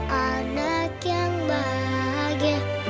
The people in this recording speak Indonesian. jadi anak yang bahagia